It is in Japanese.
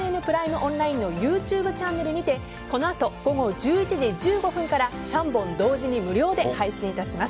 オンラインのＹｏｕＴｕｂｅチャンネルにてこの後、午後１１時１５分から３本同時に無料で配信いたします。